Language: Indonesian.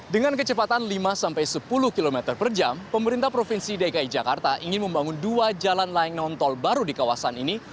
dengan kecepatan lima sampai sepuluh km per jam pemerintah provinsi dki jakarta ingin membangun dua jalan layang nontol baru di kawasan ini